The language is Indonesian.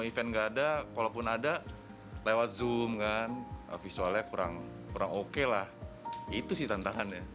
visualnya kurang oke lah itu sih tantangannya